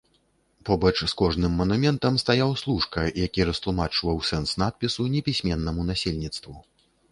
Побач з кожным манументам стаяў служка, які растлумачваў сэнс надпісу непісьменнаму насельніцтву.